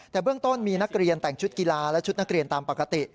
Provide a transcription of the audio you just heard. แต่เบื้องต้นมีนักเรียนแต่งชุดกีฬาและชุดนักเรียนตามปกติ